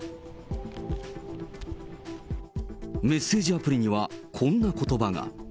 メッセージアプリには、こんなことばが。